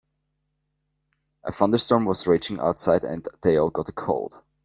A thunderstorm was raging outside and they all got a cold.